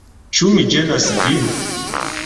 Ĉu mi ĝenas vin?